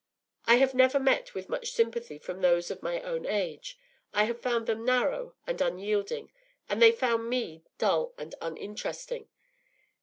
I have never met with much sympathy from those of my own age: I have found them narrow and unyielding, and they found me dull and uninteresting.